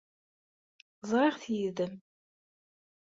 Ẓriɣ-t yid-m.